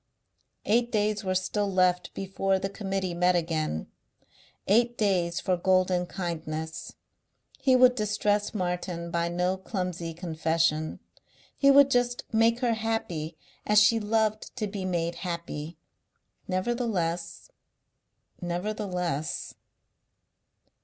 Eight days were still left before the Committee met again, eight days for golden kindness. He would distress Martin by no clumsy confession. He would just make her happy as she loved to be made happy.... Nevertheless. Nevertheless....